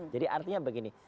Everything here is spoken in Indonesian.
jadi artinya begini